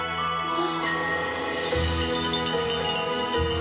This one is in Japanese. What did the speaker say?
あ。